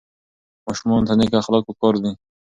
ماشومانو ته نیک اخلاق په کار دي.